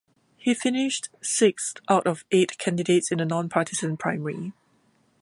He finished sixth out of eight candidates in the nonpartisan primary.